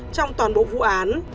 trong toàn bộ vụ án